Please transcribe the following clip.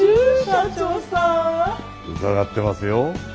伺ってますよ。